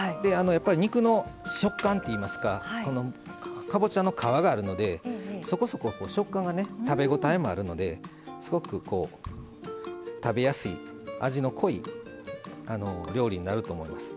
肉の食感っていいますかかぼちゃの皮があるのでそこそこ食感がね食べごたえもあるのですごく食べやすい味の濃い料理になると思います。